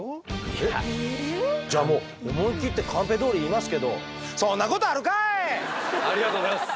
いやじゃあもう思い切ってカンペどおり言いますけどありがとうございます。